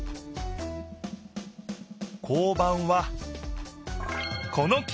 交番はこの記号。